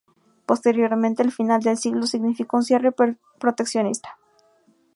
Posteriormente, el final de siglo significó un cierre proteccionista.